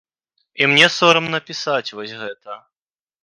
І мне сорамна пісаць вось гэта.